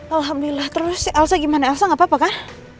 alhamdulillah terus sih elsa gimana elsa gak apa apa kan